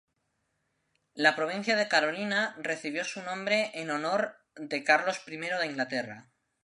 La Provincia de Carolina recibió su nombre en honor de Carlos I de Inglaterra.